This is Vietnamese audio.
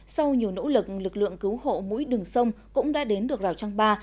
sau nhiều nỗ lực lực lượng cứu hộ mũi đường sông cũng đã đến được rào trăng ba